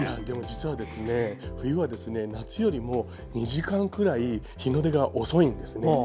実は、冬は夏よりも２時間ぐらい日の出が遅いんですね。